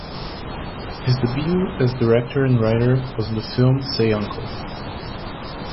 His debut as director and writer was on the film "Say Uncle".